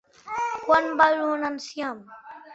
Quant val un enciam?